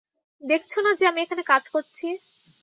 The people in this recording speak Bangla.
দেখছ না যে, আমি এখানে কাজ করছি?